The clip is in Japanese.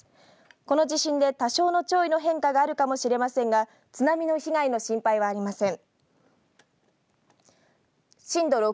この地震で多少の潮位の変化があるかもしれませんが津波の被害の心配はありません。